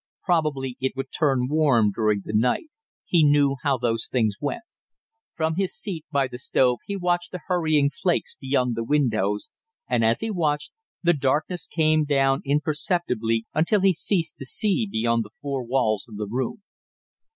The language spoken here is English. Probably it would turn warm during the night; he knew how those things went. From his seat by the stove he watched the hurrying flakes beyond the windows, and as he watched, the darkness came down imperceptibly until he ceased to see beyond the four walls of the room.